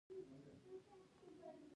دوی د نړۍ اتلولي ګټلې ده.